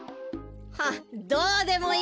はっどうでもいい。